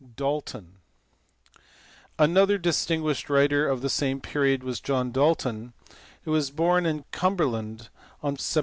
Dalton*. Another distinguished writer of the same period was John Dalton, who was born in Cumberland on Sept.